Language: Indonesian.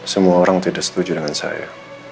semua orang tidak setuju dengan saya